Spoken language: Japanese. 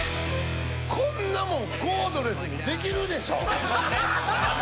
こんなもんコードレスに出来るでしょ！